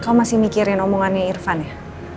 kau masih mikirin omongannya irfan ya